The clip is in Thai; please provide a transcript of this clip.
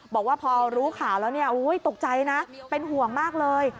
บอกว่าพอรู้ข่าวแล้วเนี่ยตกใจนะเป็นห่วงมากเลย